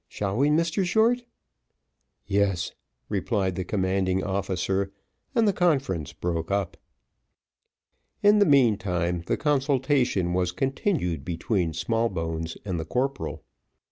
Shall we, Mr Short?" "Yes," replied the commanding officer, and the conference broke up. In the meantime the consultation was continued between Smallbones and the corporal.